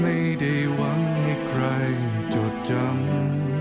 ไม่ได้หวังให้ใครจดจำ